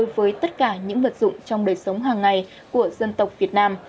với tất cả những vật dụng trong đời sống hàng ngày của dân tộc việt nam